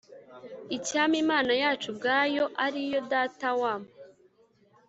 Icyampa Imana yacu ubwayo ari yo Data wa